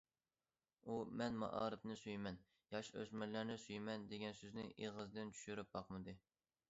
ئۇ« مەن مائارىپنى سۆيىمەن، ياش- ئۆسمۈرلەرنى سۆيىمەن» دېگەن سۆزنى ئېغىزىدىن چۈشۈرۈپ باقمىدى.